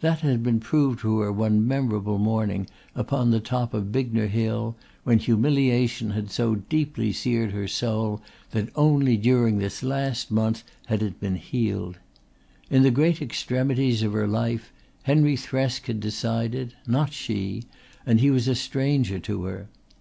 That had been proved to her one memorable morning upon the top of Bignor Hill, when humiliation had so deeply seared her soul that only during this last month had it been healed. In the great extremities of her life Henry Thresk had decided, not she, and he was a stranger to her.